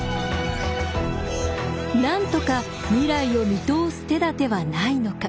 なんとか未来を見通す手立てはないのか。